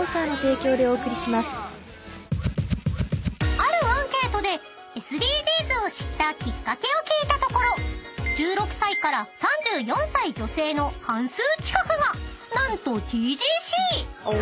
［あるアンケートでＳＤＧｓを知ったきっかけを聞いたところ１６歳から３４歳女性の半数近くが何とＴＧＣ］